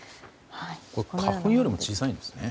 花粉よりも小さいんですね。